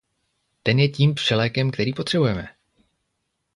Ten je tím všelékem, který potřebujeme.